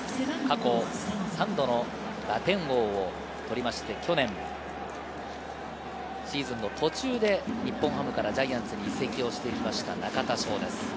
過去３度の打点王を取りまして、去年シーズンの途中で日本ハムからジャイアンツに移籍をしてきました中田翔です。